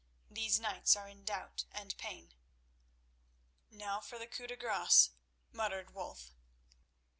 "These knights are in doubt and pain." "Now for the coup de grâce," muttered Wulf.